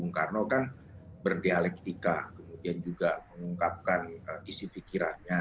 bung karno kan berdialektika kemudian juga mengungkapkan isi pikirannya